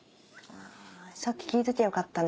さっき聞いときゃよかったね。